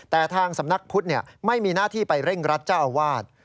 แต่ทางสำนักพุทธไม่มีหน้าที่ไปเร่งรัดเจ้าอาวาส